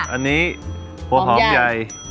อันนี้หัวหอมใหญ่